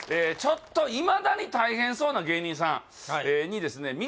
ちょっといまだに大変そうな芸人さんにですね